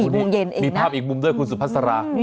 โมงเย็นเองมีภาพอีกมุมด้วยคุณสุภาษา